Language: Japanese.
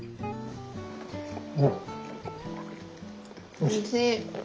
おいしい。